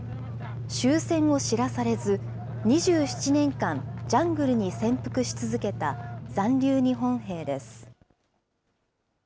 終戦を知らされず、２７年間、ジャングルに潜伏し続けた残留日本兵です。